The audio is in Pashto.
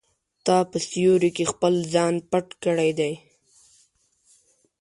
تا په سیوري کې خپل ځان پټ کړی دی.